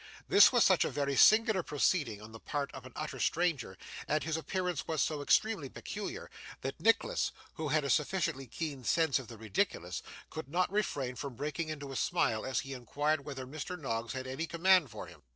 This was such a very singular proceeding on the part of an utter stranger, and his appearance was so extremely peculiar, that Nicholas, who had a sufficiently keen sense of the ridiculous, could not refrain from breaking into a smile as he inquired whether Mr. Noggs had any commands for him.